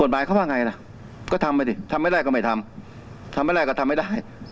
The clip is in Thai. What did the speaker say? หมายเขาว่าไงล่ะก็ทำไปดิทำไม่ได้ก็ไม่ทำทำไม่ได้ก็ทำไม่ได้